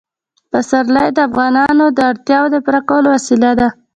پسرلی د افغانانو د اړتیاوو د پوره کولو وسیله ده.